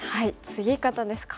ツギ方ですか。